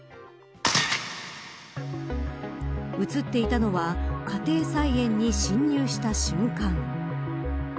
写っていたのは家庭菜園に侵入した瞬間。